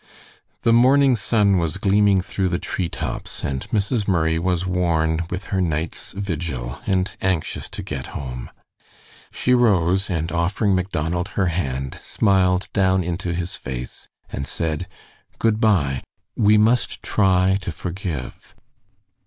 The morning sun was gleaming through the treetops, and Mrs. Murray was worn with her night's vigil, and anxious to get home. She rose, and offering Macdonald her hand, smiled down into his face, and said: "Good by! We must try to forgive."